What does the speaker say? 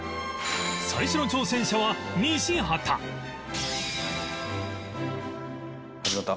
最初の挑戦者は西畑始まった。